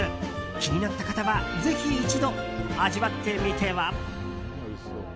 気になった方はぜひ一度、味わってみては？